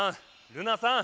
ルナさん。